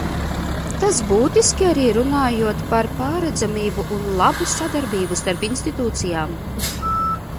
Tas ir būtiski arī runājot par pārredzamību un labu sadarbību starp institūcijām.